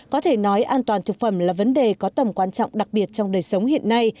có thể nói an toàn thực phẩm là vấn đề có tầm quan trọng đặc biệt trong đời sống hiện nay